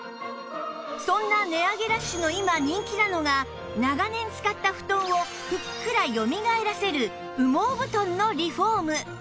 そんな値上げラッシュの今人気なのが長年使った布団をふっくらよみがえらせる羽毛布団のリフォーム